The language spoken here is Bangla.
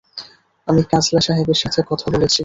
আমি কাজলা সাহেবের সাথে কথা বলেছি।